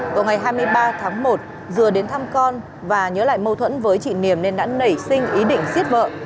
vào ngày hai mươi ba tháng một dừa đến thăm con và nhớ lại mâu thuẫn với chị niềm nên đã nảy sinh ý định giết vợ